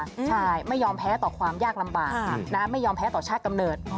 ใช่ไม่ยอมแพ้ต่อความยากลำบากไม่ยอมแพ้ต่อชาติกำเนิด